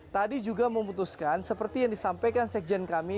tadi juga memutuskan seperti yang disampaikan sekjen kami